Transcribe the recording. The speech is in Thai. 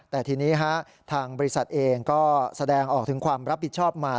แต่ทีนี้ทางบริษัทเองก็แสดงออกถึงความรับผิดชอบมา